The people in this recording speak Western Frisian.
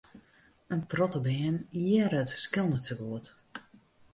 In protte bern hearre it ferskil net sa goed.